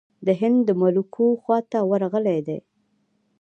د هند د ملوکو خواته ورغلی دی.